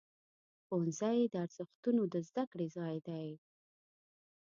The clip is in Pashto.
ښوونځی د ارزښتونو د زده کړې ځای دی.